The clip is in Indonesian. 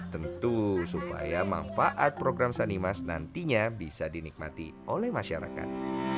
tentu supaya manfaat program sanimas nantinya bisa dinikmati oleh masyarakat